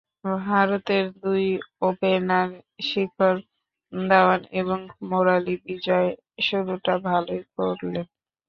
ভারতের দুই ওপেনার শিখর ধাওয়ান এবং মুরালি বিজয় শুরুটা ভালই করলেন।